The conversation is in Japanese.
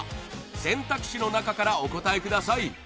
選択肢の中からお答えください